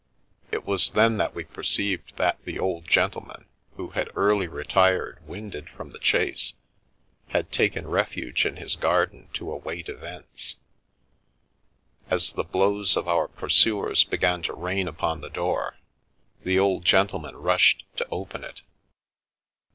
It was then that we perceived that the old gentleman, who had early retired winded from the chase, had taken refuge in his garden to await events. As the blows of our pursuers began to rain upon the door, the old gentleman rushed to open it.